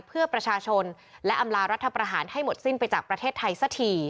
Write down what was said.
เพื่อประชาชนและอำลารัฐประหารให้หมดสิ้นไปจากประเทศไทยสักที